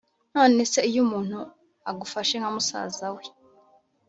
nonese iyo umuntu agufashe nkamusazawe